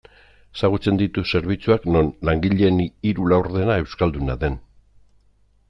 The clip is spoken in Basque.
Ezagutzen ditut zerbitzuak non langileen hiru laurdena euskalduna den.